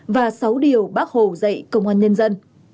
và sáu điều bác hồ dạy công an nhân dân